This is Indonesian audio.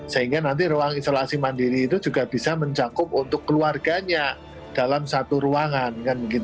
sehingga nanti ruang isolasi mandiri itu juga bisa mencakup untuk keluarganya dalam satu ruangan